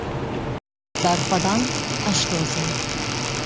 Berxwedan xweş doz e.